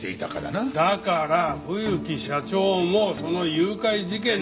だから冬木社長もその誘拐事件に。